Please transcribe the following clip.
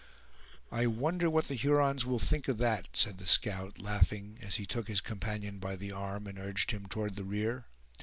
"I wonder what the Hurons will think of that!" said the scout, laughing, as he took his companion by the arm, and urged him toward the rear.